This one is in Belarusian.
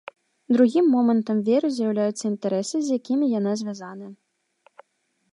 Другім момантам веры з'яўляюцца інтарэсы, з якімі яна звязана.